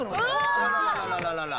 あららららら。